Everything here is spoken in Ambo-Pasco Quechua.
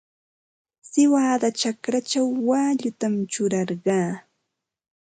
Siwada chakrachaw waallutam churarqaa.